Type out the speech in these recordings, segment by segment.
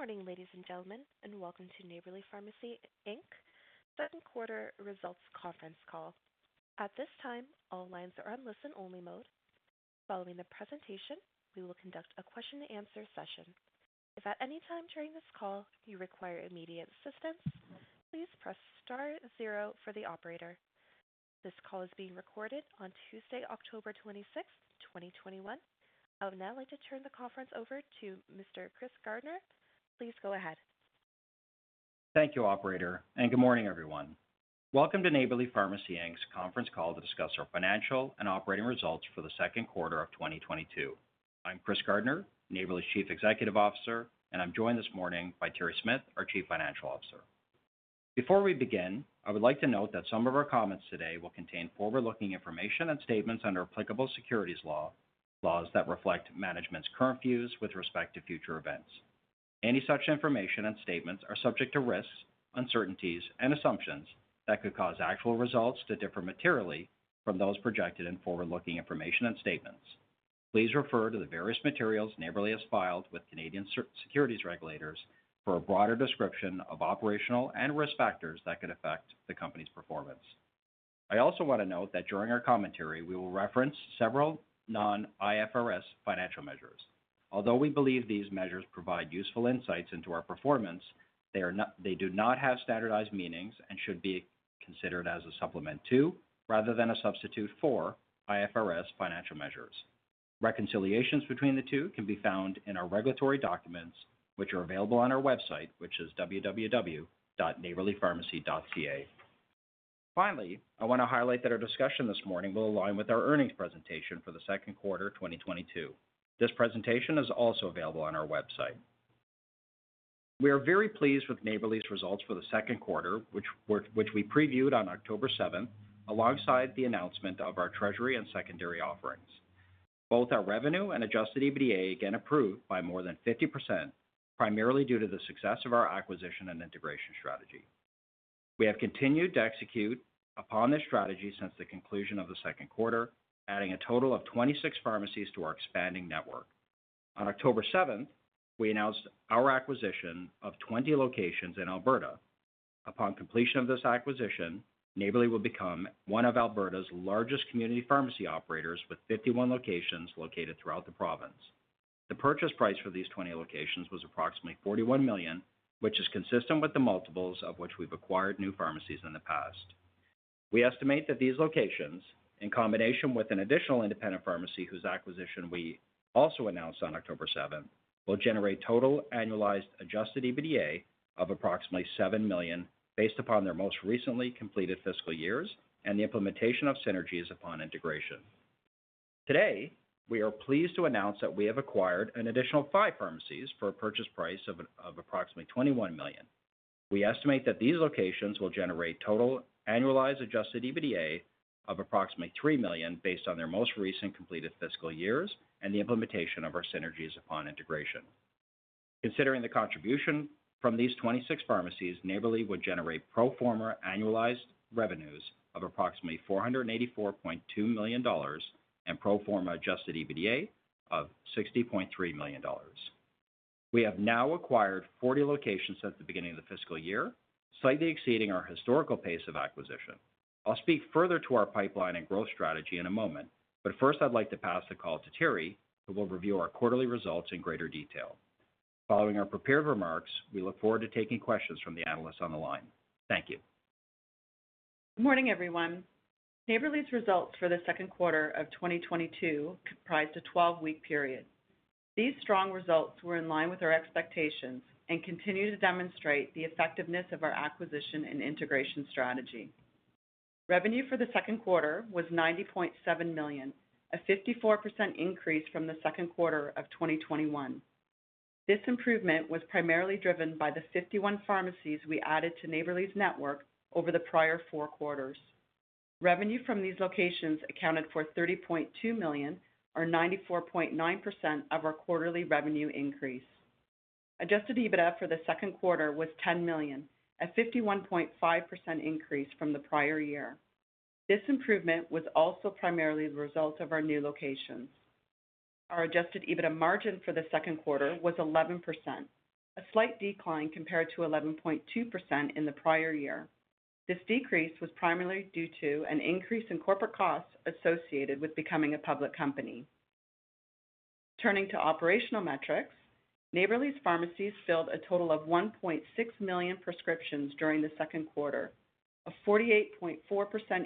Good morning, ladies and gentlemen, and welcome to Neighbourly Pharmacy Inc.'s Q2 Results Conference Call. At this time, all lines are on listen-only mode. Following the presentation, we will conduct a Q&A session. If at any time during this call you require immediate assistance, please press star zero for the operator. This call is being recorded on Tuesday, October 26th, 2021. I would now like to turn the conference over to Mr. Chris Gardner. Please go ahead. Thank you, operator, and good morning, everyone. Welcome to Neighbourly Pharmacy Inc.'s Conference Call to discuss our financial and operating results for the Q2 of 2022. I'm Chris Gardner, Neighbourly's Chief Executive Officer, and I'm joined this morning by Terri Smyth, our Chief Financial Officer. Before we begin, I would like to note that some of our comments today will contain forward-looking information and statements under applicable securities law, laws that reflect management's current views with respect to future events. Any such information and statements are subject to risks, uncertainties, and assumptions that could cause actual results to differ materially from those projected in forward-looking information and statements. Please refer to the various materials Neighbourly has filed with Canadian securities regulators for a broader description of operational and risk factors that could affect the company's performance. I also want to note that during our commentary, we will reference several non-IFRS financial measures. Although we believe these measures provide useful insights into our performance, they do not have standardized meanings and should be considered as a supplement to, rather than a substitute for, IFRS financial measures. Reconciliations between the two can be found in our regulatory documents, which are available on our website, which is www.neighbourlypharmacy.ca. Finally, I want to highlight that our discussion this morning will align with our earnings presentation for the Q2 of 2022. This presentation is also available on our website. We are very pleased with Neighbourly's results for the Q2, which we previewed on October 7th alongside the announcement of our treasury and secondary offerings. Both our revenue and adjusted EBITDA again improved by more than 50%, primarily due to the success of our acquisition and integration strategy. We have continued to execute upon this strategy since the conclusion of the Q2, adding a total of 26 pharmacies to our expanding network. On October 7th, we announced our acquisition of 20 locations in Alberta. Upon completion of this acquisition, Neighbourly will become one of Alberta's largest community pharmacy operators with 51 locations located throughout the province. The purchase price for these 20 locations was approximately 41 million, which is consistent with the multiples at which we've acquired new pharmacies in the past. We estimate that these locations, in combination with an additional independent pharmacy whose acquisition we also announced on October 7th, will generate total annualized adjusted EBITDA of approximately 7 million based upon their most recently completed fiscal years and the implementation of synergies upon integration. Today, we are pleased to announce that we have acquired an additional five pharmacies for a purchase price of approximately 21 million. We estimate that these locations will generate total annualized adjusted EBITDA of approximately 3 million based on their most recent completed fiscal years and the implementation of our synergies upon integration. Considering the contribution from these 26 pharmacies, Neighbourly would generate pro forma annualized revenues of approximately 484.2 million dollars and pro forma adjusted EBITDA of 60.3 million dollars. We have now acquired 40 locations since the beginning of the fiscal year, slightly exceeding our historical pace of acquisition. I'll speak further to our pipeline and growth strategy in a moment, but first I'd like to pass the call to Terri, who will review our quarterly results in greater detail. Following our prepared remarks, we look forward to taking questions from the analysts on the line. Thank you. Good morning, everyone. Neighbourly's results for the Q2 of 2022 comprised a 12-week period. These strong results were in line with our expectations and continue to demonstrate the effectiveness of our acquisition and integration strategy. Revenue for the Q2 was 90.7 million, a 54% increase from the Q2 of 2021. This improvement was primarily driven by the 51 pharmacies we added to Neighbourly's network over the prior four quarters. Revenue from these locations accounted for 30.2 million, or 94.9% of our quarterly revenue increase. Adjusted EBITDA for the Q2 was 10 million, a 51.5% increase from the prior year. This improvement was also primarily the result of our new locations. Our adjusted EBITDA margin for the Q2 was 11%, a slight decline compared to 11.2% in the prior year. This decrease was primarily due to an increase in corporate costs associated with becoming a public company. Turning to operational metrics, Neighbourly's pharmacies filled a total of 1.6 million prescriptions during the Q2, a 48.4%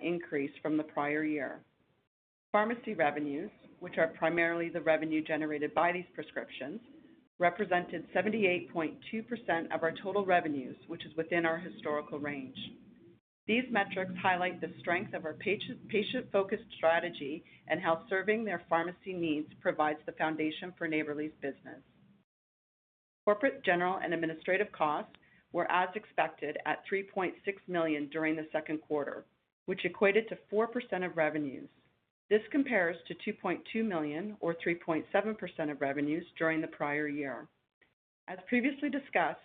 increase from the prior year. Pharmacy revenues, which are primarily the revenue generated by these prescriptions, represented 78.2% of our total revenues, which is within our historical range. These metrics highlight the strength of our patient-focused strategy and how serving their pharmacy needs provides the foundation for Neighbourly's business. Corporate general and administrative costs were as expected at 3.6 million during the Q2, which equated to 4% of revenues. This compares to 2.2 million or 3.7% of revenues during the prior year. As previously discussed,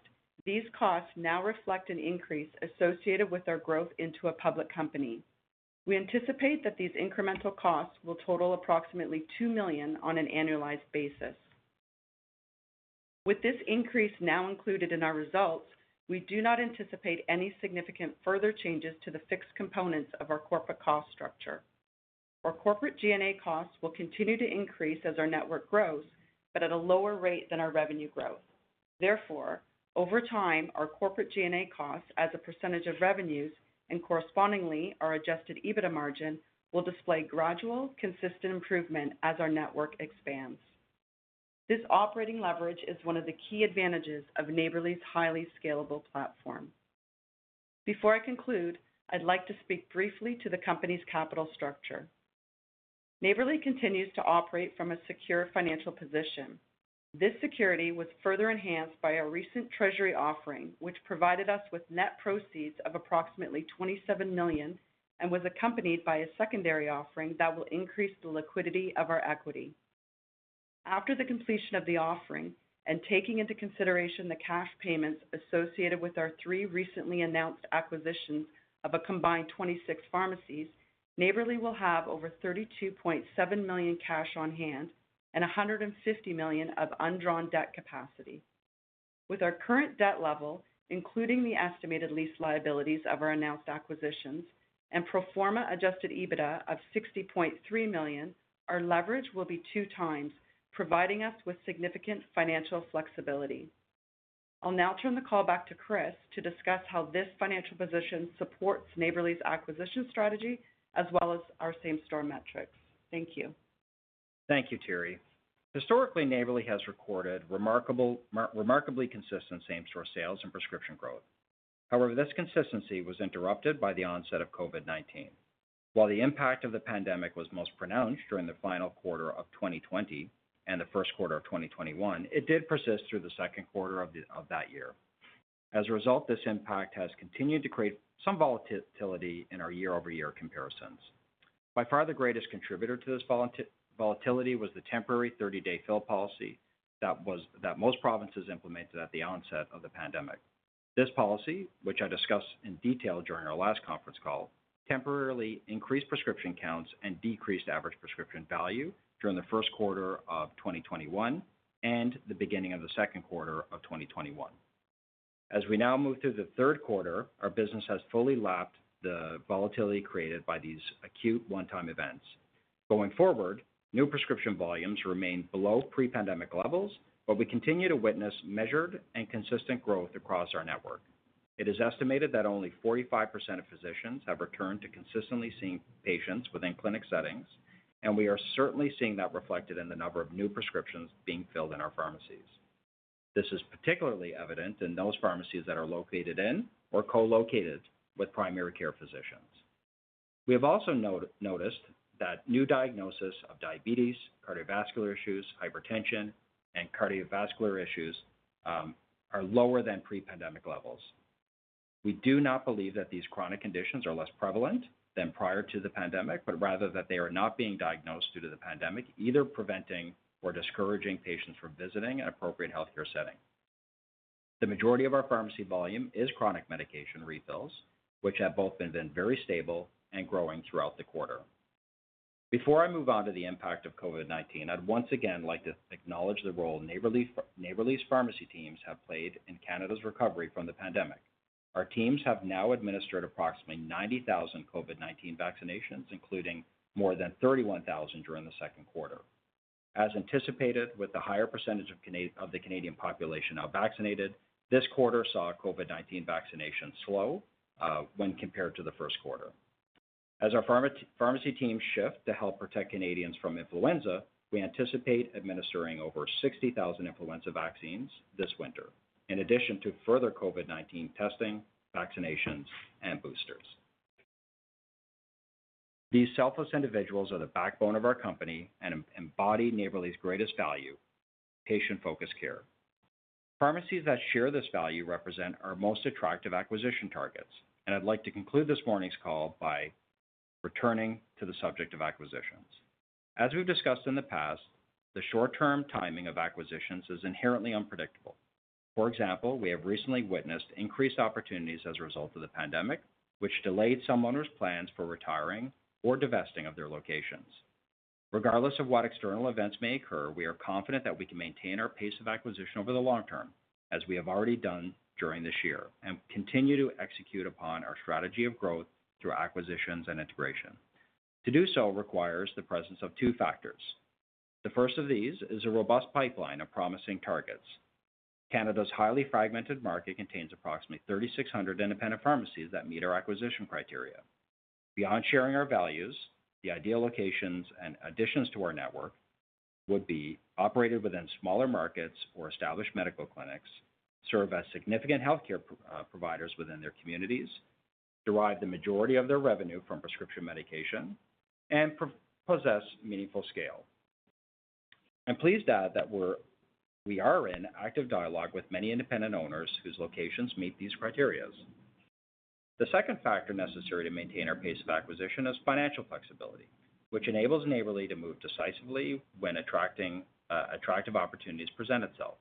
these costs now reflect an increase associated with our growth into a public company. We anticipate that these incremental costs will total approximately 2 million on an annualized basis. With this increase now included in our results, we do not anticipate any significant further changes to the fixed components of our corporate cost structure. Our corporate G&A costs will continue to increase as our network grows, but at a lower rate than our revenue growth. Therefore, over time, our corporate G&A costs as a percentage of revenues, and correspondingly, our adjusted EBITDA margin, will display gradual, consistent improvement as our network expands. This operating leverage is one of the key advantages of Neighbourly's highly scalable platform. Before I conclude, I'd like to speak briefly to the company's capital structure. Neighbourly continues to operate from a secure financial position. This security was further enhanced by our recent treasury offering, which provided us with net proceeds of approximately 27 million, and was accompanied by a secondary offering that will increase the liquidity of our equity. After the completion of the offering, and taking into consideration the cash payments associated with our three recently announced acquisitions of a combined 26 pharmacies, Neighbourly will have over 32.7 million cash on hand and 150 million of undrawn debt capacity. With our current debt level, including the estimated lease liabilities of our announced acquisitions and pro forma adjusted EBITDA of 60.3 million, our leverage will be 2x, providing us with significant financial flexibility. I'll now turn the call back to Chris to discuss how this financial position supports Neighbourly's acquisition strategy as well as our same-store metrics. Thank you. Thank you, Terri. Historically, Neighbourly has recorded remarkably consistent same-store sales and prescription growth. However, this consistency was interrupted by the onset of COVID-19. While the impact of the pandemic was most pronounced during the final quarter of 2020 and the Q1 of 2021, it did persist through the Q2 of that year. As a result, this impact has continued to create some volatility in our year-over-year comparisons. By far, the greatest contributor to this volatility was the temporary 30 day fill policy that most provinces implemented at the onset of the pandemic. This policy, which I discussed in detail during our last conference call, temporarily increased prescription counts and decreased average prescription value during the Q1 of 2021 and the beginning of the Q2 of 2021. As we now move through the Q3, our business has fully lapped the volatility created by these acute one-time events. Going forward, new prescription volumes remain below pre-pandemic levels, but we continue to witness measured and consistent growth across our network. It is estimated that only 45% of physicians have returned to consistently seeing patients within clinic settings, and we are certainly seeing that reflected in the number of new prescriptions being filled in our pharmacies. This is particularly evident in those pharmacies that are located in or co-located with primary care physicians. We have also noticed that new diagnosis of diabetes, cardiovascular issues, hypertension, and cardiovascular issues are lower than pre-pandemic levels. We do not believe that these chronic conditions are less prevalent than prior to the pandemic, but rather that they are not being diagnosed due to the pandemic, either preventing or discouraging patients from visiting an appropriate healthcare setting. The majority of our pharmacy volume is chronic medication refills, which have been very stable and growing throughout the quarter. Before I move on to the impact of COVID-19, I'd once again like to acknowledge the role Neighbourly's pharmacy teams have played in Canada's recovery from the pandemic. Our teams have now administered approximately 90,000 COVID-19 vaccinations, including more than 31,000 during the Q2. As anticipated, with the higher percentage of the Canadian population now vaccinated, this quarter saw COVID-19 vaccinations slow when compared to the Q1. As our pharmacy teams shift to help protect Canadians from influenza, we anticipate administering over 60,000 influenza vaccines this winter, in addition to further COVID-19 testing, vaccinations, and boosters. These selfless individuals are the backbone of our company and embody Neighbourly's greatest value, patient-focused care. Pharmacies that share this value represent our most attractive acquisition targets, and I'd like to conclude this morning's call by returning to the subject of acquisitions. As we've discussed in the past, the short-term timing of acquisitions is inherently unpredictable. For example, we have recently witnessed increased opportunities as a result of the pandemic, which delayed some owners' plans for retiring or divesting of their locations. Regardless of what external events may occur, we are confident that we can maintain our pace of acquisition over the long term, as we have already done during this year, and continue to execute upon our strategy of growth through acquisitions and integration. To do so requires the presence of two factors. The first of these is a robust pipeline of promising targets. Canada's highly fragmented market contains approximately 3,600 independent pharmacies that meet our acquisition criteria. Beyond sharing our values, the ideal locations and additions to our network would be operated within smaller markets or established medical clinics, serve as significant healthcare providers within their communities, derive the majority of their revenue from prescription medication, and possess meaningful scale. I'm pleased to add that we are in active dialogue with many independent owners whose locations meet these criteria. The second factor necessary to maintain our pace of acquisition is financial flexibility, which enables Neighbourly to move decisively when attracting attractive opportunities present itself.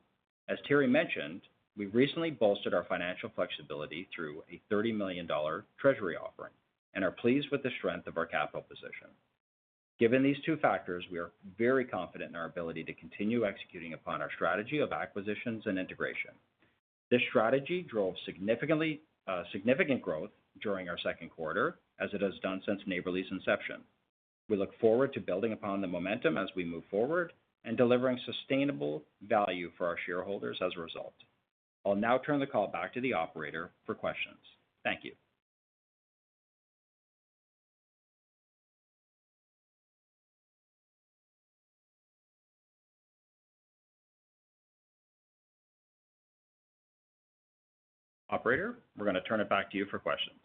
As Terri mentioned, we recently bolstered our financial flexibility through a 30 million dollar treasury offering and are pleased with the strength of our capital position. Given these two factors, we are very confident in our ability to continue executing upon our strategy of acquisitions and integration. This strategy drove significant growth during our Q2, as it has done since Neighbourly's inception. We look forward to building upon the momentum as we move forward and delivering sustainable value for our shareholders as a result. I'll now turn the call back to the operator for questions. Thank you. Operator, we're gonna turn it back to you for questions.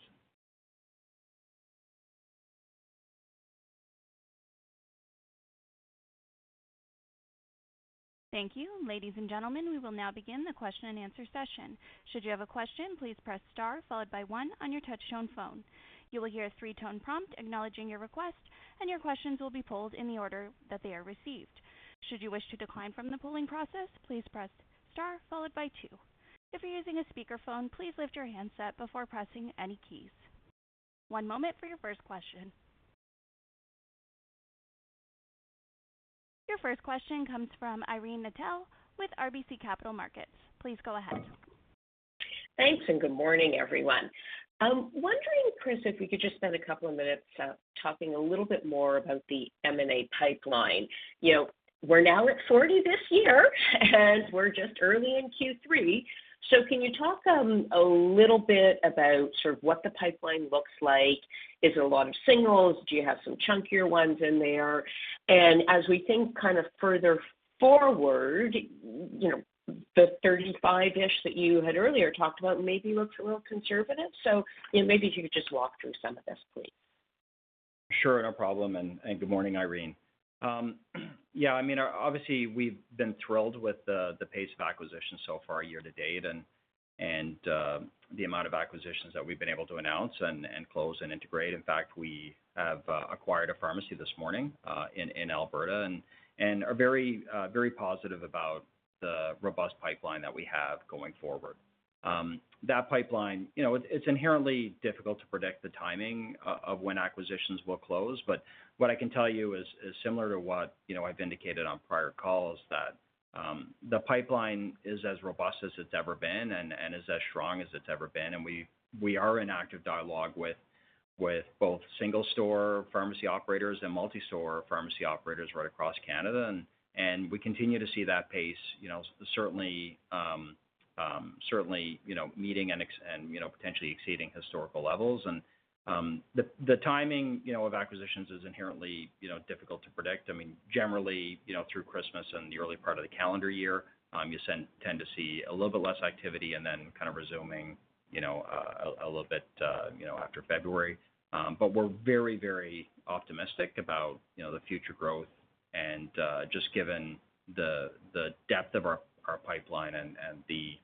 Thank you. Ladies and gentlemen, we will now begin the Q&A session. Should you have a question, please press star followed by one on your touchtone phone. You will hear a three-tone prompt acknowledging your request, and your questions will be polled in the order that they are received. Should you wish to decline from the polling process, please press star followed by two. If you're using a speakerphone, please lift your handset before pressing any keys. One moment for your first question. Your first question comes from Irene Nattel with RBC Capital Markets. Please go ahead. Thanks, and good morning, everyone. I'm wondering, Chris, if we could just spend a couple of minutes talking a little bit more about the M&A pipeline. You know, we're now at 40 this year, and we're just early in Q3. Can you talk a little bit about sort of what the pipeline looks like? Is it a lot of singles? Do you have some chunkier ones in there? As we think kind of further forward, you know, the 35-ish that you had earlier talked about maybe looks a little conservative. You know, maybe if you could just walk through some of this, please. Sure. No problem. Good morning, Irene. Yeah, I mean, obviously, we've been thrilled with the pace of acquisition so far year-to-date and the amount of acquisitions that we've been able to announce and close and integrate. In fact, we have acquired a pharmacy this morning in Alberta and are very positive about the robust pipeline that we have going forward. That pipeline, you know, it's inherently difficult to predict the timing of when acquisitions will close, but what I can tell you is similar to what, you know, I've indicated on prior calls, that the pipeline is as robust as it's ever been and is as strong as it's ever been. We are in active dialogue with both single store pharmacy operators and multi-store pharmacy operators right across Canada. We continue to see that pace, you know, certainly meeting and potentially exceeding historical levels. The timing of acquisitions is inherently difficult to predict. I mean, generally, you know, through Christmas and the early part of the calendar year, you tend to see a little bit less activity and then kind of resuming a little bit after February. We're very optimistic about the future growth just given the depth of our pipeline and the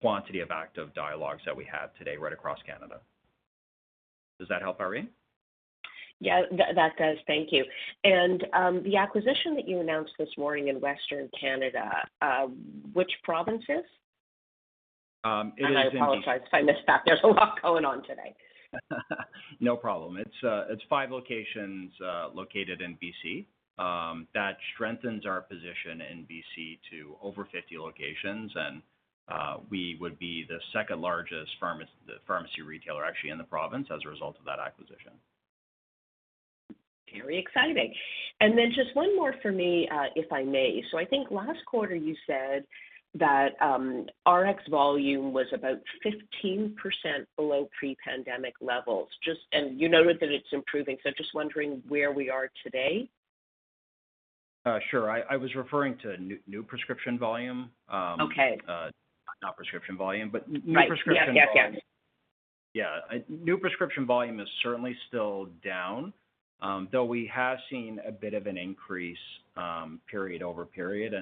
quantity of active dialogues that we have today right across Canada. Does that help, Irene? Yeah, that does. Thank you. The acquisition that you announced this morning in Western Canada, which provinces? Um, it is in? I apologize if I missed that. There's a lot going on today. No problem. It's five locations located in B.C. that strengthens our position in B.C. to over 50 locations. We would be the second largest pharmacy retailer actually in the province as a result of that acquisition. Very exciting. Just one more for me, if I may. I think last quarter you said that Rx volume was about 15% below pre-pandemic levels. You noted that it's improving. Just wondering where we are today. Sure. I was referring to new prescription volume, Okay not prescription volume, but new prescription volume. Right. Yes. Yes. Yes. Yeah. New prescription volume is certainly still down, though we have seen a bit of an increase, period over period.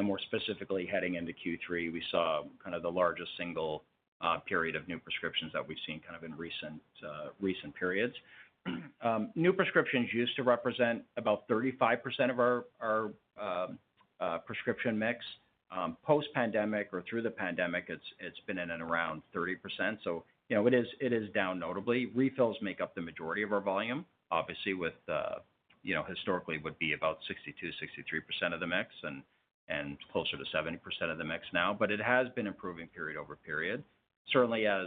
More specifically heading into Q3, we saw kind of the largest single period of new prescriptions that we've seen kind of in recent periods. New prescriptions used to represent about 35% of our prescription mix. Post-pandemic or through the pandemic, it's been in and around 30%. You know, it is down notably. Refills make up the majority of our volume. Obviously, with you know, historically would be about 62% to 63% of the mix and closer to 70% of the mix now. It has been improving period over period. Certainly, as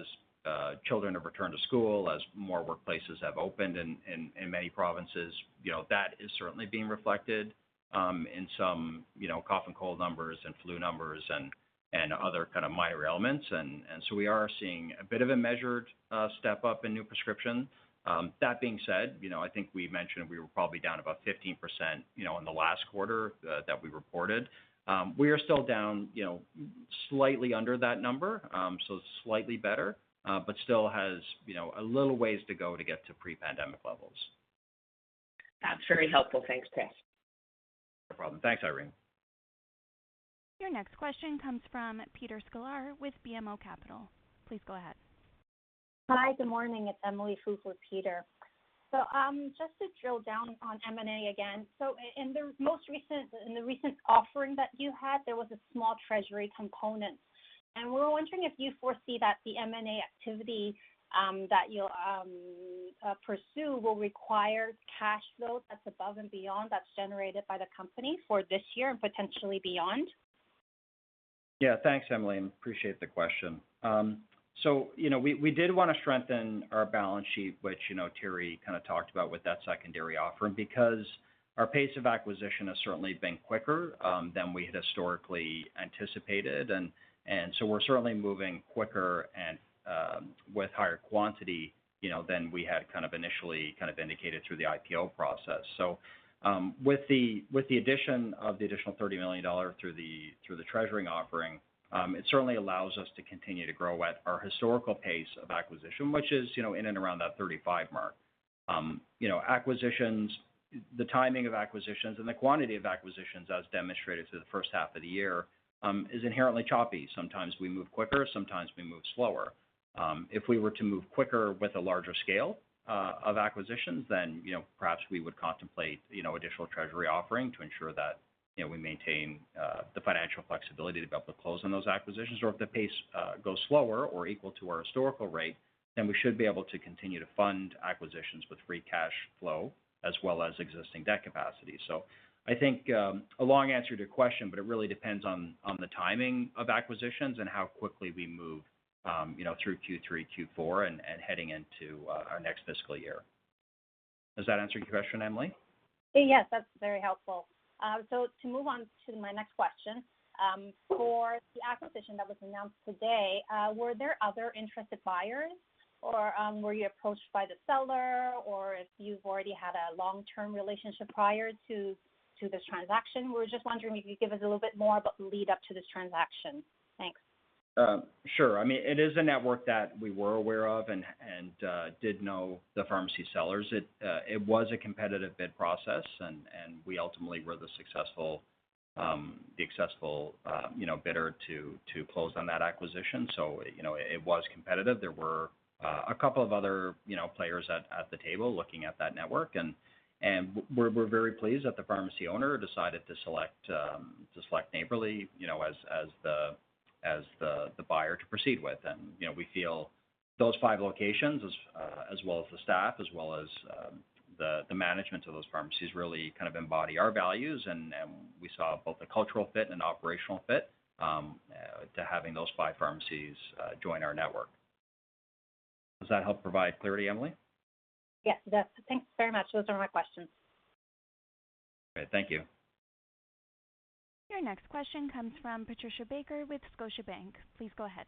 children have returned to school, as more workplaces have opened in many provinces, you know, that is certainly being reflected in some, you know, cough and cold numbers and flu numbers and other kind of minor ailments. We are seeing a bit of a measured step-up in new prescription. That being said, you know, I think we mentioned we were probably down about 15%, you know, in the last quarter that we reported. We are still down, you know, slightly under that number, so slightly better, but still has, you know, a little ways to go to get to pre-pandemic levels. That's very helpful. Thanks, Chris. No problem. Thanks, Irene. Your next question comes from Peter Sklar with BMO Capital Markets. Please go ahead. Hi, good morning. It's Emily Fu with Peter. Just to drill down on M&A again. In the recent offering that you had, there was a small treasury component. We were wondering if you foresee that the M&A activity that you'll pursue will require cash flow that's above and beyond that's generated by the company for this year and potentially beyond. Yeah. Thanks, Emily. Appreciate the question. So, you know, we did want to strengthen our balance sheet, which, you know, Terri kind of talked about with that secondary offering because our pace of acquisition has certainly been quicker than we had historically anticipated. And so we're certainly moving quicker and with higher quantity, you know, than we had kind of initially kind of indicated through the IPO process. So, with the addition of the additional 30 million dollars through the treasury offering, it certainly allows us to continue to grow at our historical pace of acquisition, which is, you know, in and around that 35 mark. You know, acquisitions, the timing of acquisitions and the quantity of acquisitions as demonstrated through the first half of the year is inherently choppy. Sometimes we move quicker, sometimes we move slower. If we were to move quicker with a larger scale of acquisitions, then you know, perhaps we would contemplate you know, additional equity offering to ensure that you know, we maintain the financial flexibility to be able to close on those acquisitions. If the pace goes slower or equal to our historical rate, then we should be able to continue to fund acquisitions with free cash flow as well as existing debt capacity. I think a long answer to your question, but it really depends on the timing of acquisitions and how quickly we move you know, through Q3, Q4 and heading into our next fiscal year. Does that answer your question, Emily? Yes, that's very helpful. To move on to my next question. For the acquisition that was announced today, were there other interested buyers or, were you approached by the seller or if you've already had a long-term relationship prior to this transaction? We're just wondering if you could give us a little bit more about the lead up to this transaction. Thanks. Sure. I mean, it is a network that we were aware of and did know the pharmacy sellers. It was a competitive bid process and we ultimately were the successful bidder to close on that acquisition. You know, it was competitive. There were a couple of other players at the table looking at that network. We're very pleased that the pharmacy owner decided to select Neighbourly as the buyer to proceed with. You know, we feel those five locations as well as the staff, as well as the management of those pharmacies really kind of embody our values. We saw both a cultural fit and operational fit to having those five pharmacies join our network. Does that help provide clarity, Emily? Yes, it does. Thanks very much. Those are my questions. Okay. Thank you. Your next question comes from Patricia Baker with Scotiabank. Please go ahead.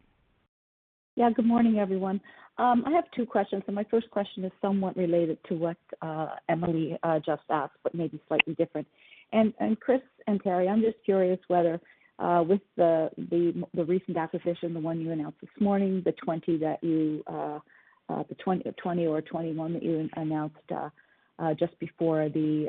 Yeah, good morning, everyone. I have two questions, and my first question is somewhat related to what Emily just asked, but maybe slightly different. Chris and Terri, I'm just curious whether with the recent acquisition, the one you announced this morning, the 20 or 21 that you announced just before the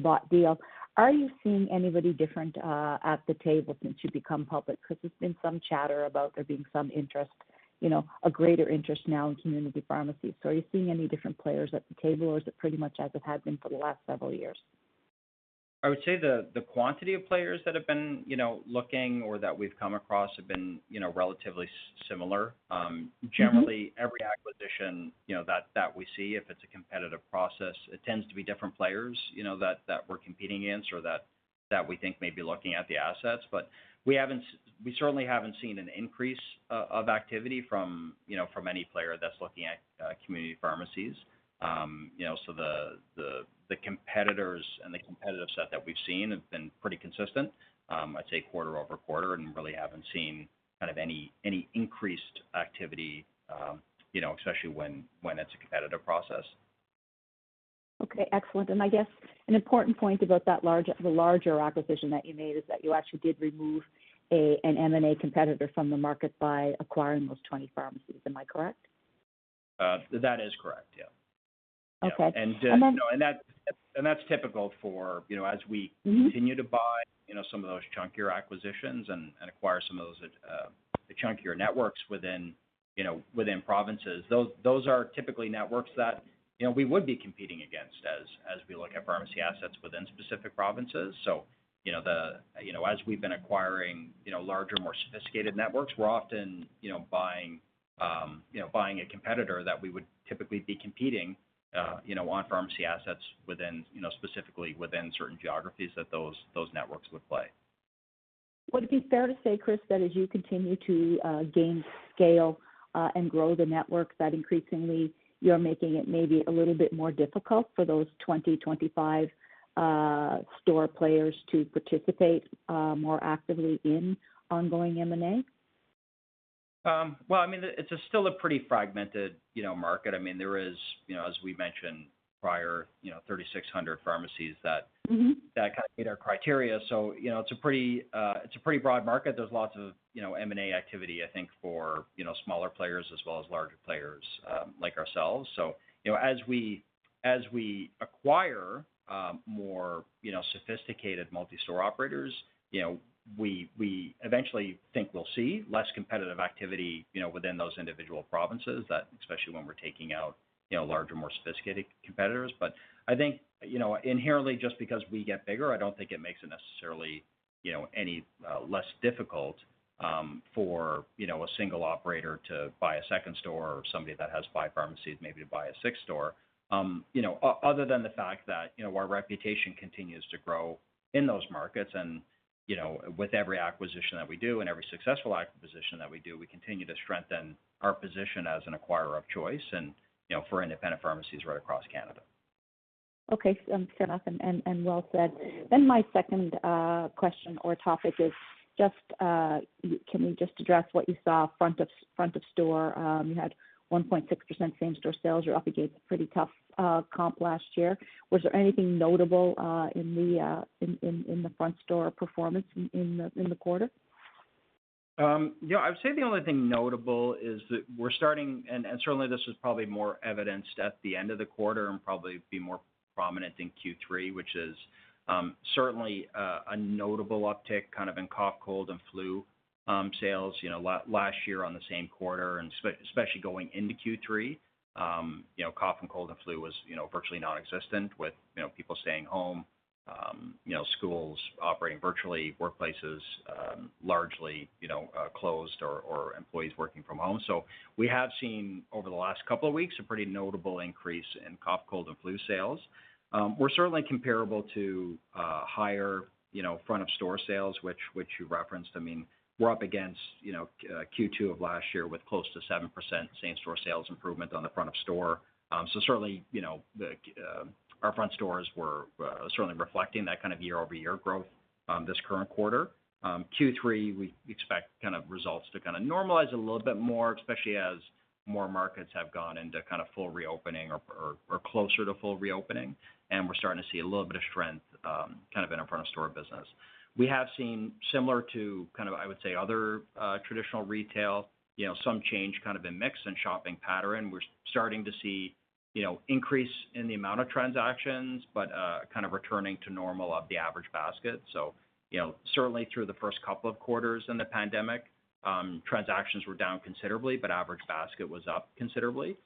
bought deal, are you seeing anybody different at the table since you've become public? 'Cause there's been some chatter about there being some interest, you know, a greater interest now in community pharmacies. Are you seeing any different players at the table or is it pretty much as it has been for the last several years? I would say the quantity of players that have been, you know, looking or that we've come across have been, you know, relatively similar. Mm-hmm Generally every acquisition, you know, that we see, if it's a competitive process, it tends to be different players, you know, that we're competing against or that we think may be looking at the assets. But we certainly haven't seen an increase of activity from, you know, from any player that's looking at community pharmacies. You know, the competitors and the competitive set that we've seen have been pretty consistent, I'd say quarter over quarter and really haven't seen kind of any increased activity, you know, especially when it's a competitive process. Okay, excellent. I guess an important point about the larger acquisition that you made is that you actually did remove an M&A competitor from the market by acquiring those 20 pharmacies. Am I correct? That is correct, yeah. Okay. You know. And then No, and that's typical for, you know, as we Mm-hmm continue to buy, you know, some of those chunkier acquisitions and acquire some of those the chunkier networks within, you know, within provinces. Those are typically networks that, you know, we would be competing against as we look at pharmacy assets within specific provinces. You know, as we've been acquiring, you know, larger, more sophisticated networks, we're often, you know, buying a competitor that we would typically be competing on pharmacy assets within, you know, specifically within certain geographies that those networks would play. Would it be fair to say, Chris, that as you continue to gain scale and grow the network, that increasingly you're making it maybe a little bit more difficult for those 20, 25 store players to participate more actively in ongoing M&A? Well, I mean, it's still a pretty fragmented, you know, market. I mean, there is, you know, as we mentioned prior, you know, 3,600 pharmacies that, Mm-hmm that kind of meet our criteria. You know, it's a pretty broad market. There's lots of, you know, M&A activity, I think for, you know, smaller players as well as larger players. Like ourselves. You know, as we acquire more, you know, sophisticated multi-store operators, you know, we eventually think we'll see less competitive activity, you know, within those individual provinces that, especially when we're taking out, you know, larger, more sophisticated competitors. But I think, you know, inherently, just because we get bigger, I don't think it makes it necessarily, you know, any less difficult for, you know, a single operator to buy a second store or somebody that has five pharmacies maybe to buy a sixth store. Other than the fact that, you know, our reputation continues to grow in those markets and, you know, with every acquisition that we do and every successful acquisition that we do, we continue to strengthen our position as an acquirer of choice and, you know, for independent pharmacies right across Canada. Okay, fair enough and well said. My second question or topic is just, can you just address what you saw front of store. You had 1.6% same-store sales. You're up against pretty tough comp last year. Was there anything notable in the front of store performance in the quarter? Yeah. I'd say the only thing notable is that we're starting, and certainly this is probably more evidenced at the end of the quarter and probably be more prominent in Q3, which is certainly a notable uptick kind of in cough, cold, and flu sales. You know, last year on the same quarter and especially going into Q3, you know, cough and cold and flu was you know virtually nonexistent with you know people staying home, you know, schools operating virtually, workplaces largely you know closed or employees working from home. We have seen over the last couple of weeks a pretty notable increase in cough, cold, and flu sales. We're certainly comparable to higher you know front of store sales, which you referenced. I mean, we're up against, you know, Q2 of last year with close to 7% same-store sales improvement on the front of store. Certainly, you know, our front stores were certainly reflecting that kind of year-over-year growth this current quarter. Q3, we expect kind of results to kind of normalize a little bit more, especially as more markets have gone into kind of full reopening or closer to full reopening, and we're starting to see a little bit of strength kind of in our front of store business. We have seen similar to kind of, I would say, other traditional retail, you know, some change kind of in mix and shopping pattern. We're starting to see, you know, increase in the amount of transactions but kind of returning to normal of the average basket. You know, certainly through the first couple of quarters in the pandemic, transactions were down considerably, but average basket was up considerably.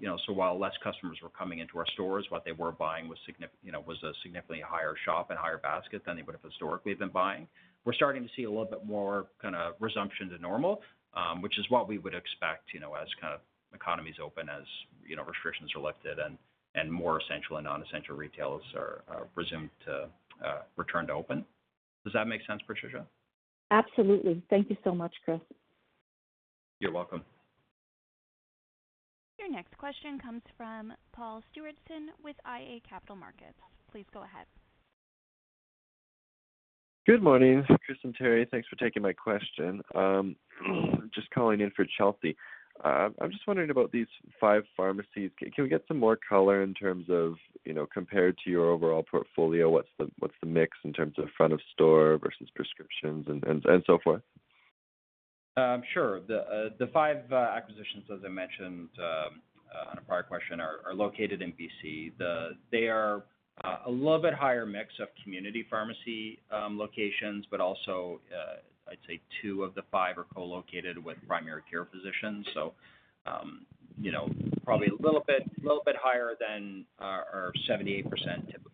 You know, while less customers were coming into our stores, what they were buying was a significantly higher shop and higher basket than they would've historically been buying. We're starting to see a little bit more kind of resumption to normal, which is what we would expect, you know, as kind of economies open, as you know, restrictions are lifted and more essential and non-essential retailers are presumed to return to open. Does that make sense, Patricia? Absolutely. Thank you so much, Chris. You're welcome. Your next question comes from Paul Stewardson with iA Capital Markets. Please go ahead. Good morning, Chris and Terri. Thanks for taking my question. Just calling in for Chelsea. I'm just wondering about these five pharmacies. Can we get some more color in terms of, you know, compared to your overall portfolio, what's the mix in terms of front of store versus prescriptions and so forth? Sure. The five acquisitions, as I mentioned, on a prior question are located in B.C. They are a little bit higher mix of community pharmacy locations, but also, I'd say two of the five are co-located with primary care physicians. You know, probably a little bit higher than our 78% typical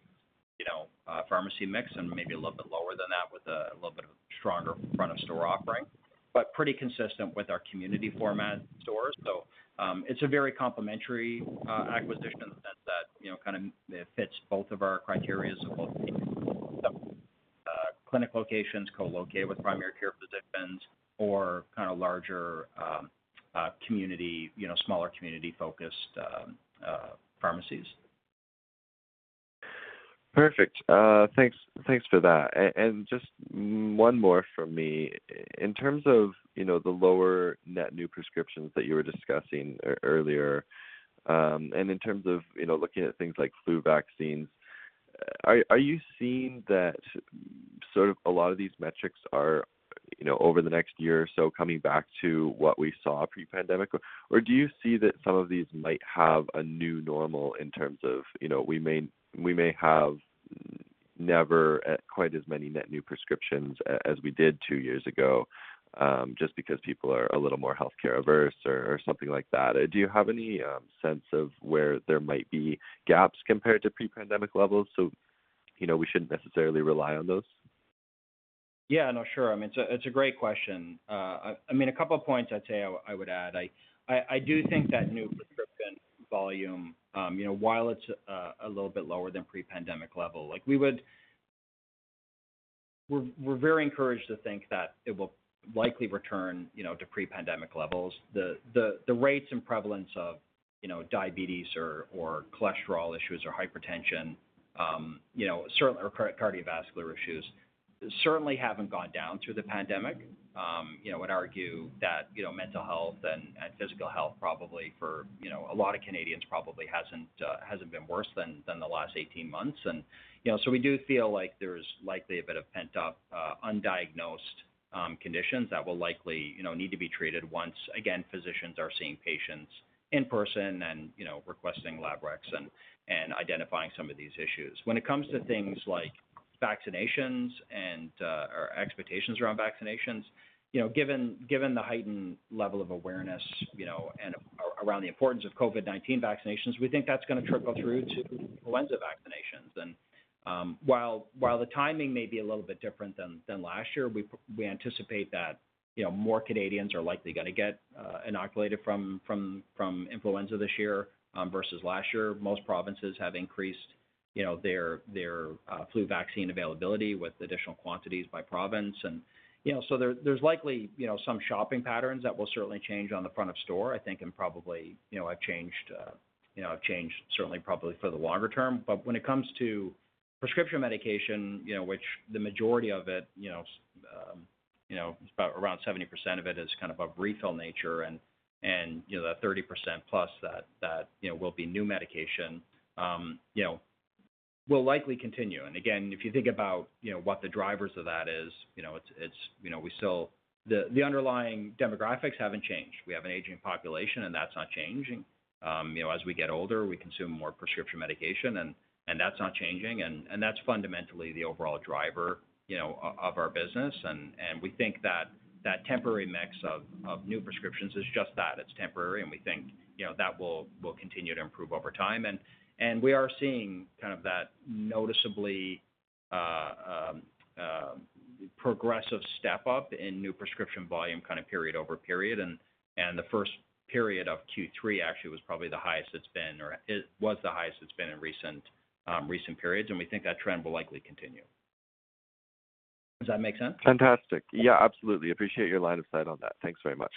pharmacy mix and maybe a little bit lower than that with a little bit of a stronger front of store offering. Pretty consistent with our community format stores. It's a very complementary acquisition in the sense that, you know, kind of it fits both of our criterias of locating clinic locations co-located with primary care physicians or kind of larger community, you know, smaller community-focused pharmacies. Perfect. Thanks for that. Just one more from me. In terms of, you know, the lower net new prescriptions that you were discussing earlier, and in terms of, you know, looking at things like flu vaccines, are you seeing that sort of a lot of these metrics are, you know, over the next year or so coming back to what we saw pre-pandemic? Do you see that some of these might have a new normal in terms of, you know, we may have never quite as many net new prescriptions as we did two years ago, just because people are a little more healthcare averse or something like that? Do you have any sense of where there might be gaps compared to pre-pandemic levels, so, you know, we shouldn't necessarily rely on those? Yeah. No, sure. I mean, it's a great question. I mean, a couple of points I'd say I would add. I do think that new prescription volume, you know, while it's a little bit lower than pre-pandemic level, like We're very encouraged to think that it will likely return, you know, to pre-pandemic levels. The rates and prevalence of, you know, diabetes or cholesterol issues or hypertension, you know, cardiovascular issues certainly haven't gone down through the pandemic. I would argue that, you know, mental health and physical health probably for, you know, a lot of Canadians probably hasn't been worse than the last 18 months. You know, we do feel like there's likely a bit of pent-up undiagnosed conditions that will likely, you know, need to be treated once again physicians are seeing patients in person and, you know, requesting lab recs and identifying some of these issues. When it comes to things like vaccinations or expectations around vaccinations, you know, given the heightened level of awareness, you know, and around the importance of COVID-19 vaccinations, we think that's gonna trickle through to influenza vaccinations. While the timing may be a little bit different than last year, we anticipate that, you know, more Canadians are likely gonna get inoculated from influenza this year versus last year. Most provinces have increased, you know, their flu vaccine availability with additional quantities by province. You know, so there's likely, you know, some shopping patterns that will certainly change on the front of store, I think, and probably, you know, have changed certainly probably for the longer term. When it comes to prescription medication, you know, which the majority of it, you know, it's about around 70% of it is kind of a refill nature and, you know, that 30% plus that, you know, will be new medication, you know, will likely continue. Again, if you think about, you know, what the drivers of that is, you know, it's, you know, we still the underlying demographics haven't changed. We have an aging population, and that's not changing. You know, as we get older, we consume more prescription medication and that's not changing and that's fundamentally the overall driver, you know, of our business. We think that temporary mix of new prescriptions is just that. It's temporary, and we think, you know, that will continue to improve over time. We are seeing kind of that noticeably progressive step up in new prescription volume kind of period over period and the first period of Q3 actually was probably the highest it's been or it was the highest it's been in recent periods, and we think that trend will likely continue. Does that make sense? Fantastic. Yeah, absolutely. Appreciate your line of sight on that. Thanks very much.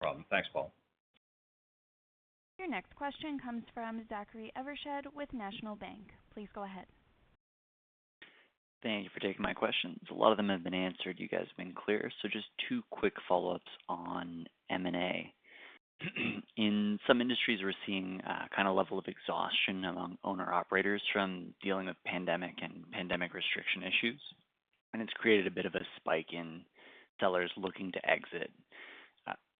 No problem. Thanks, Paul. Your next question comes from Zachary Evershed with National Bank Financial. Please go ahead. Thank you for taking my questions. A lot of them have been answered. You guys have been clear. Just two quick follow-ups on M&A. In some industries, we're seeing a kind of level of exhaustion among owner-operators from dealing with pandemic and pandemic restriction issues, and it's created a bit of a spike in sellers looking to exit.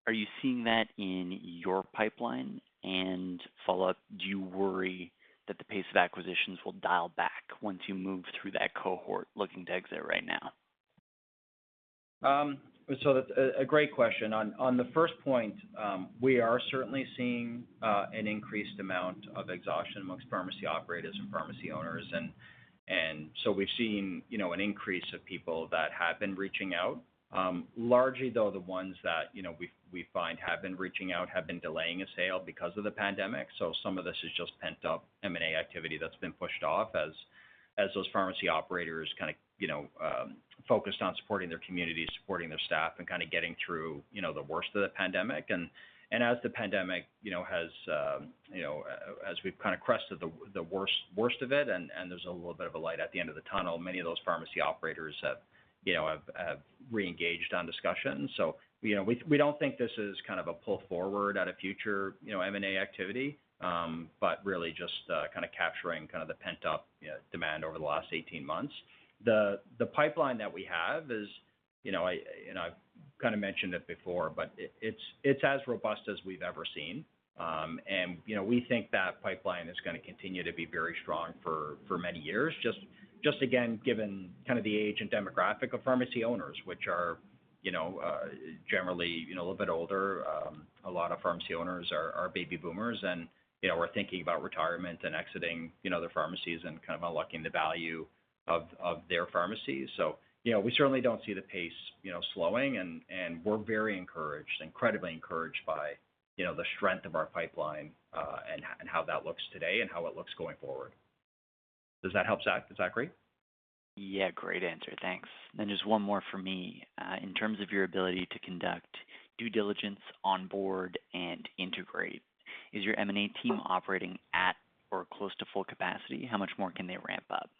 Are you seeing that in your pipeline? Follow up, do you worry that the pace of acquisitions will dial back once you move through that cohort looking to exit right now? That's a great question. On the first point, we are certainly seeing an increased amount of exhaustion amongst pharmacy operators and pharmacy owners. We've seen, you know, an increase of people that have been reaching out. Largely though, the ones that, you know, we find have been reaching out have been delaying a sale because of the pandemic, so some of this is just pent-up M&A activity that's been pushed off as those pharmacy operators kind of, you know, focused on supporting their communities, supporting their staff and kinda getting through, you know, the worst of the pandemic. As the pandemic, you know, has, you know, as we've kind of crested the worst of it and there's a little bit of a light at the end of the tunnel, many of those pharmacy operators have, you know, have re-engaged on discussions. We don't think this is kind of a pull forward at a future, you know, M&A activity, but really just kind of capturing kind of the pent-up demand over the last 18 months. The pipeline that we have is, you know, and I've kind of mentioned it before, but it's as robust as we've ever seen. You know, we think that pipeline is gonna continue to be very strong for many years just again, given kind of the age and demographic of pharmacy owners, which are, you know, generally, you know, a little bit older. A lot of pharmacy owners are Baby Boomers, and, you know, are thinking about retirement and exiting, you know, their pharmacies and kind of unlocking the value of their pharmacies. You know, we certainly don't see the pace, you know, slowing and we're very encouraged, incredibly encouraged by, you know, the strength of our pipeline, and how that looks today and how it looks going forward. Does that help, Zach? Zachary? Yeah, great answer. Thanks. Just one more for me. In terms of your ability to conduct due diligence on board and integrate, is your M&A team operating at or close to full capacity? How much more can they ramp up?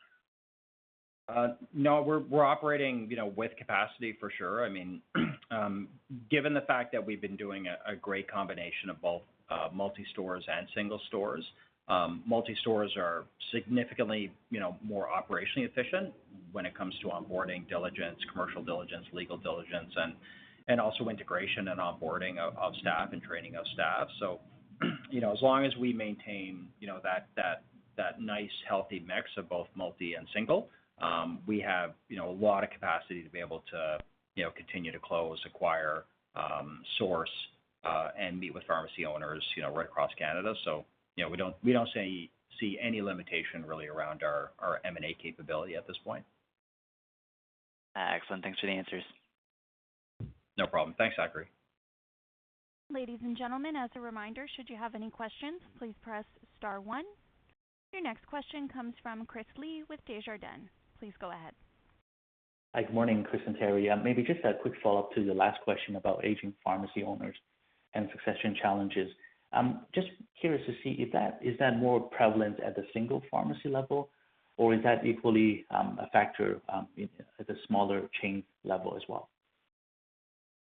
No, we're operating, you know, with capacity for sure. I mean, given the fact that we've been doing a great combination of both, multi-stores and single stores, multi-stores are significantly, you know, more operationally efficient when it comes to onboarding diligence, commercial diligence, legal diligence and also integration and onboarding of staff and training of staff. You know, as long as we maintain, you know, that nice healthy mix of both multi and single, we have, you know, a lot of capacity to be able to, you know, continue to close, acquire, source, and meet with pharmacy owners, you know, right across Canada. You know, we don't see any limitation really around our M&A capability at this point. Excellent. Thanks for the answers. No problem. Thanks, Zachary. Ladies and gentlemen, as a reminder, should you have any questions, please press star one. Your next question comes from Chris Li with Desjardins Securities. Please go ahead. Good morning, Chris and Terri. Maybe just a quick follow-up to the last question about aging pharmacy owners and succession challenges. Just curious to see if that is more prevalent at the single pharmacy level, or is that equally a factor at the smaller chain level as well?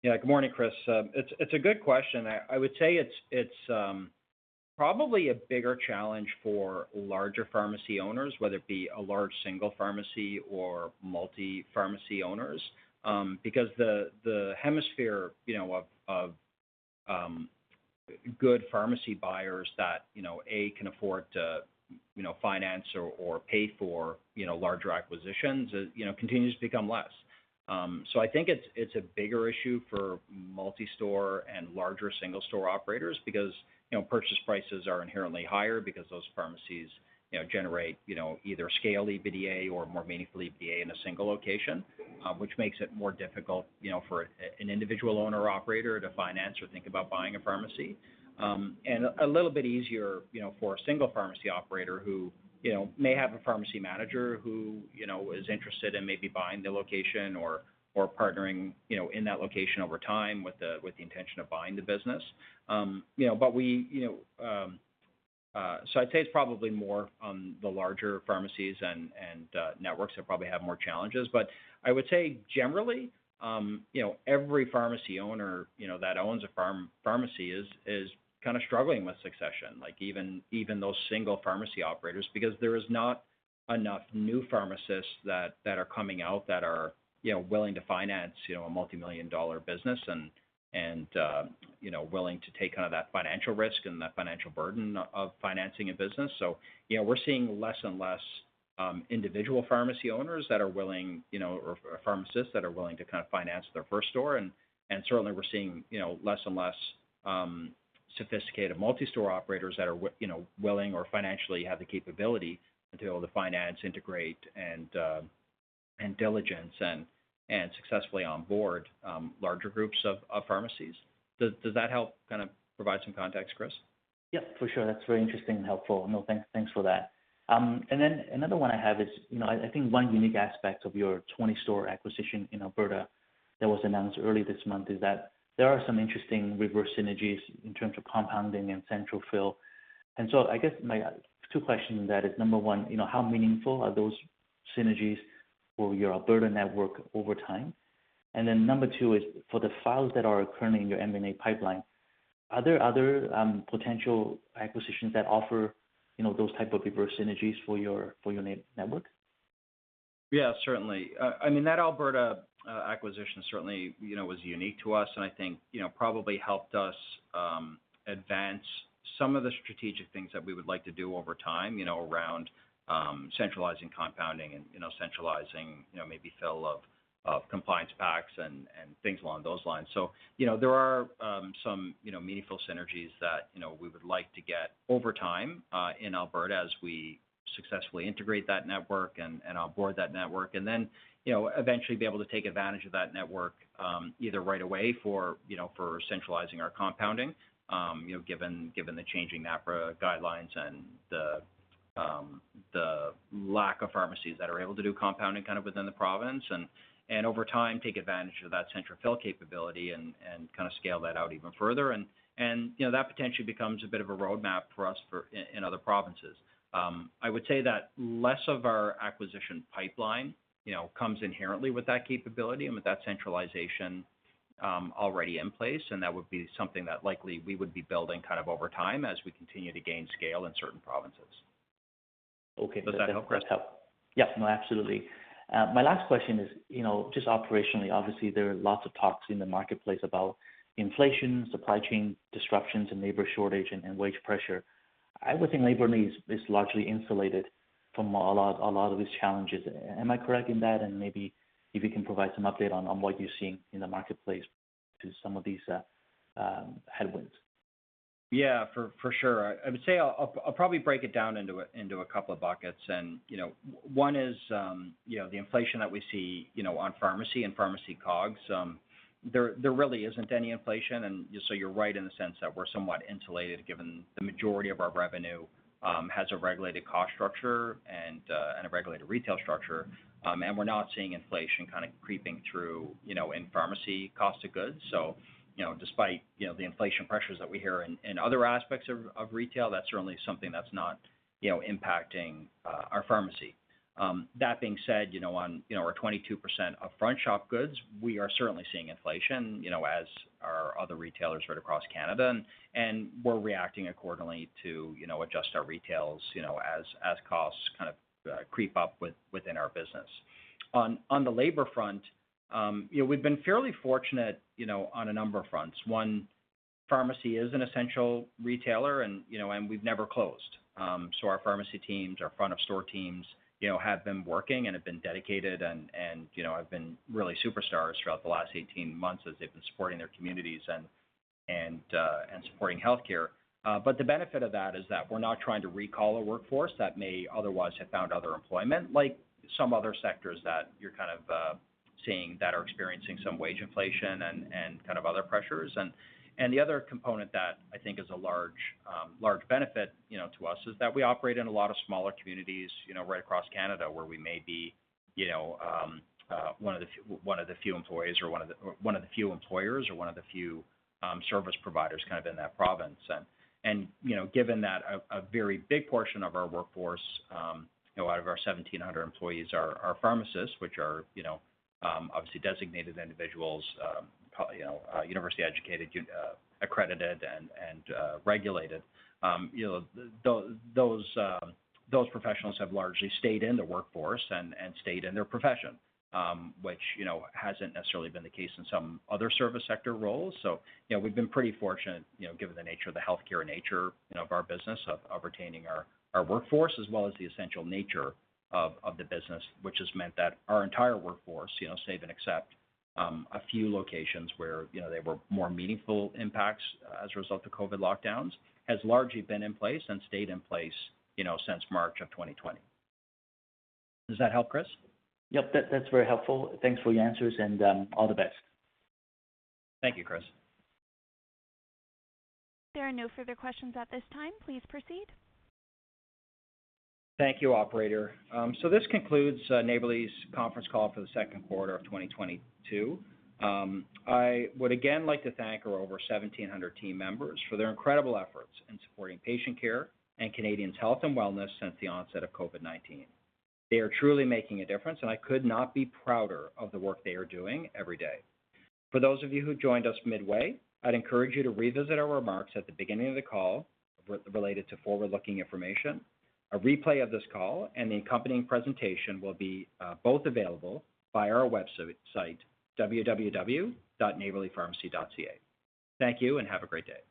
Yeah. Good morning, Chris. It's a good question. I would say it's probably a bigger challenge for larger pharmacy owners, whether it be a large single pharmacy or multi-pharmacy owners, because the number, you know, of good pharmacy buyers that, you know, can afford to, you know, finance or pay for, you know, larger acquisitions, you know, continues to become less. I think it's a bigger issue for multi-store and larger single store operators because, you know, purchase prices are inherently higher because those pharmacies, you know, generate, you know, either scale EBITDA or more meaningful EBITDA in a single location, which makes it more difficult, you know, for an individual owner operator to finance or think about buying a pharmacy. A little bit easier, you know, for a single pharmacy operator who, you know, may have a pharmacy manager who, you know, is interested in maybe buying the location or partnering, you know, in that location over time with the intention of buying the business. You know, I'd say it's probably more on the larger pharmacies and networks that probably have more challenges. I would say generally, you know, every pharmacy owner, you know, that owns a pharmacy is kind of struggling with succession, like even those single pharmacy operators, because there is not enough new pharmacists that are coming out that are, you know, willing to finance, you know, a multi-million dollar business and, you know, willing to take on that financial risk and the financial burden of financing a business. You know, we're seeing less and less individual pharmacy owners that are willing, you know, or pharmacists that are willing to kind of finance their first store. Certainly we're seeing, you know, less and less sophisticated multi-store operators that are you know, willing or financially have the capability to be able to finance, integrate and diligence and successfully onboard larger groups of pharmacies. Does that help kind of provide some context, Chris? Yep, for sure. That's very interesting and helpful. No, thanks for that. And then another one I have is, you know, I think one unique aspect of your 20 store acquisition in Alberta that was announced early this month is that there are some interesting reverse synergies in terms of compounding and central fill. I guess my two questions in that is, number one, you know, how meaningful are those synergies for your Alberta network over time? Number two is for the files that are currently in your M&A pipeline, are there other potential acquisitions that offer, you know, those type of reverse synergies for your network? Yeah, certainly. I mean that Alberta acquisition certainly, you know, was unique to us and I think, you know, probably helped us advance some of the strategic things that we would like to do over time, you know, around centralizing compounding and centralizing maybe central fill of compliance packs and things along those lines. You know, there are some you know meaningful synergies that you know we would like to get over time in Alberta as we successfully integrate that network and onboard that network and then you know eventually be able to take advantage of that network either right away for you know for centralizing our compounding you know given the changing NAPRA guidelines and the the lack of pharmacies that are able to do compounding kind of within the province and over time take advantage of that central fill capability and kind of scale that out even further. You know that potentially becomes a bit of a roadmap for us in other provinces. I would say that less of our acquisition pipeline, you know, comes inherently with that capability and with that centralization, already in place, and that would be something that likely we would be building kind of over time as we continue to gain scale in certain provinces. Okay. Does that help, Chris? That's helpful. Yep, no, absolutely. My last question is, you know, just operationally, obviously there are lots of talks in the marketplace about inflation, supply chain disruptions and labor shortage and wage pressure. I would think Neighbourly is largely insulated from a lot of these challenges. Am I correct in that? Maybe if you can provide some update on what you're seeing in the marketplace to some of these headwinds. Yeah, for sure. I would say I'll probably break it down into a couple of buckets and one is the inflation that we see on pharmacy and pharmacy COGS. There really isn't any inflation and so you're right in the sense that we're somewhat insulated given the majority of our revenue has a regulated cost structure and a regulated retail structure. We're not seeing inflation kind of creeping through in pharmacy cost of goods. So, despite the inflation pressures that we hear in other aspects of retail, that's certainly something that's not impacting our pharmacy. That being said, you know, on our 22% of front store goods, we are certainly seeing inflation, you know, as are other retailers right across Canada, and we're reacting accordingly to, you know, adjust our retails, you know, as costs kind of creep up within our business. On the labor front, you know, we've been fairly fortunate, you know, on a number of fronts. One, pharmacy is an essential retailer, and you know, we've never closed. So our pharmacy teams, our front of store teams, you know, have been working and have been dedicated, and you know, have been really superstars throughout the last 18 months as they've been supporting their communities and supporting healthcare. The benefit of that is that we're not trying to recall a workforce that may otherwise have found other employment like some other sectors that you're kind of seeing that are experiencing some wage inflation and kind of other pressures. The other component that I think is a large benefit, you know, to us is that we operate in a lot of smaller communities, you know, right across Canada where we may be, you know, one of the few employees or one of the few service providers kind of in that province. Given that a very big portion of our workforce, you know, out of our 1,700 employees are pharmacists which are, you know, obviously designated individuals, you know, university educated, accredited and regulated. You know, those professionals have largely stayed in the workforce and stayed in their profession, which, you know, hasn't necessarily been the case in some other service sector roles. You know, we've been pretty fortunate, you know, given the nature of the healthcare nature, you know, of our business of retaining our workforce as well as the essential nature of the business, which has meant that our entire workforce, you know, save and except a few locations where, you know, there were more meaningful impacts as a result of COVID lockdowns, has largely been in place and stayed in place, you know, since March of 2020. Does that help, Chris? Yep. That's very helpful. Thanks for your answers and all the best. Thank you, Chris. There are no further questions at this time. Please proceed. Thank you, operator. So this concludes Neighbourly's Conference Call for the Q2 of 2022. I would again like to thank our over 1,700 team members for their incredible efforts in supporting patient care and Canadians' health and wellness since the onset of COVID-19. They are truly making a difference, and I could not be prouder of the work they are doing every day. For those of you who joined us midway, I'd encourage you to revisit our remarks at the beginning of the call related to forward-looking information. A replay of this call and the accompanying presentation will be both available via our website www.neighbourlypharmacy.ca. Thank you and have a great day.